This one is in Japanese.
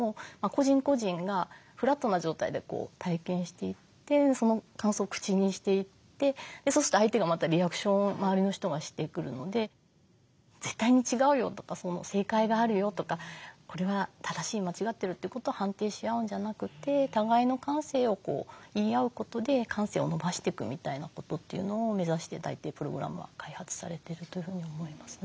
そうするとその感想を口にしていってそうすると相手がまたリアクションを周りの人がしてくるので絶対に違うよとか正解があるよとかこれは正しい間違ってるってことを判定しあうんじゃなくて互いの感性を言い合うことで感性を伸ばしていくみたいなことっていうのを目指して大抵プログラムは開発されてるというふうに思います。